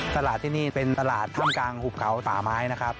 ตลาดที่นี่เป็นตลาดท่ามกลางหุบเขาป่าไม้นะครับ